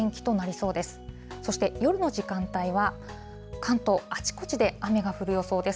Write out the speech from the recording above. そして夜の時間帯は、関東、あちこちで雨が降る予想です。